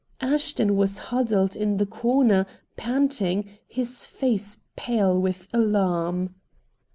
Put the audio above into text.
Ashton was huddled in the corner, panting, his face pale with alarm.